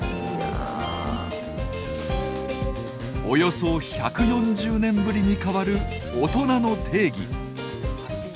およそ１４０年ぶりに変わる「大人の定義」。